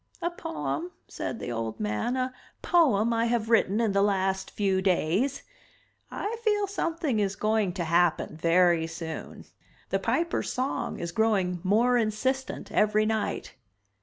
"A poem," said the old man. "A poem I have written in the last few days. I feel something is going to happen very soon. The Piper's song is growing more insistent every night.